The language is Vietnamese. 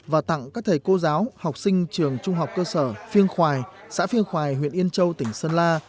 và tặng các thầy cô giáo học sinh trường trung học cơ sở phiêng khoài xã phiêng khoài huyện yên châu tỉnh sơn la